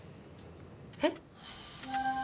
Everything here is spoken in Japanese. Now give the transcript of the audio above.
えっ？